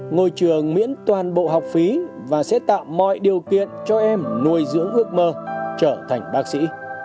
ngôi trường miễn toàn bộ học phí và sẽ tạo mọi điều kiện cho em nuôi dưỡng ước mơ trở thành bác sĩ